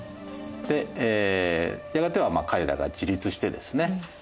でやがては彼らが自立してですね